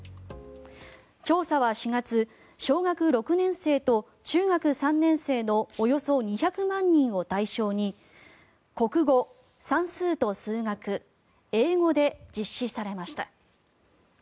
調査は４月小学６年生と中学３年生のおよそ２００万人を対象に国語、算数と数学、英語で実施されました。